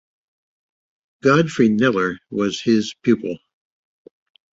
Godfrey Kneller was his pupil.